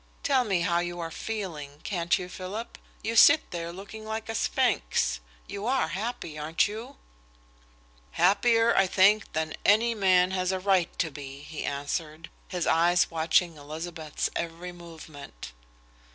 Tell me how you are feeling, can't you, Philip? You sit there looking like a sphinx. You are happy, aren't you?" "Happier, I think, than any man has a right to be," he answered, his eyes watching Elizabeth's every movement.